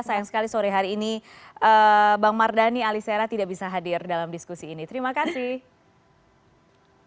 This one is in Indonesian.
sayang sekali sore hari ini bang mardhani alisera tidak bisa hadir dalam diskusi ini terima kasih